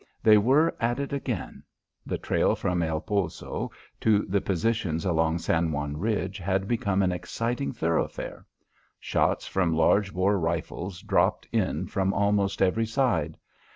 They were at it again. The trail from El Poso to the positions along San Juan ridge had become an exciting thoroughfare. Shots from large bore rifles dropped in from almost every side.